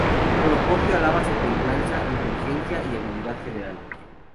Procopio alaba su templanza, inteligencia y habilidad general.